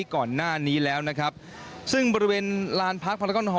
ก่อนหน้านี้แล้วนะครับซึ่งบริเวณล้านพาร์คดอฮ